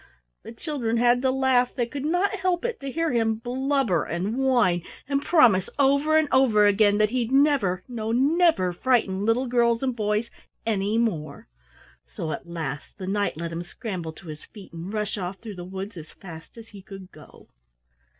The children had to laugh, they could not help it, to hear him blubber and whine and promise over and over again that he'd never, no, never frighten little girls and boys any more! So at last the Knight let him scramble to his feet and rush off through the woods as fast as he could go.